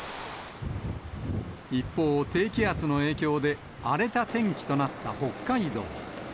一方、低気圧の影響で荒れた天気となった北海道。